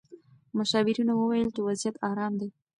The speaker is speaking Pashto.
مشاورینو وویل چې وضعیت ارام دی.